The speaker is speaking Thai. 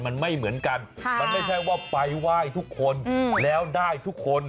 มันไม่เหมือนกันมันไม่ใช่ว่าไปไหว้ทุกคนแล้วได้ทุกคน